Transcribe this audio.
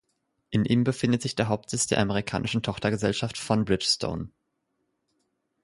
In ihm befindet sich der Hauptsitz der amerikanischen Tochtergesellschaft von Bridgestone.